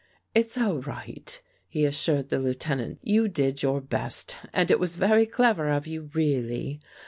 " It's all right," he assured the Lieutenant. " You did your best and it was very clever of you really."